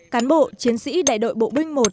cán bộ chiến sĩ đại đội bộ binh một